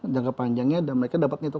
jangka panjangnya dan mereka dapatnya itu